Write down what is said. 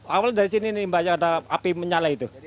awal dari sini ini banyak ada api menyalai itu